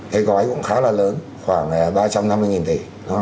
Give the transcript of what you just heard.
cái gói cũng khá là lớn khoảng ba trăm năm mươi tỷ